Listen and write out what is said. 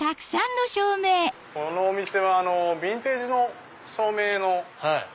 このお店はビンテージの照明の。